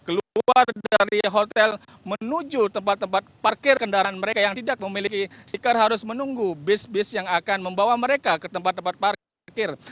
keluar dari hotel menuju tempat tempat parkir kendaraan mereka yang tidak memiliki stiker harus menunggu bis bis yang akan membawa mereka ke tempat tempat parkir